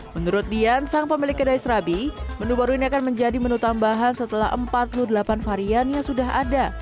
menurut dian sang pemilik kedai serabi menu baru ini akan menjadi menu tambahan setelah empat puluh delapan variannya sudah ada